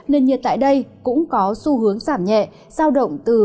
nền nhiệt tại đây cũng có xu hướng giảm nhẹ giao động từ hai mươi một ba mươi hai độ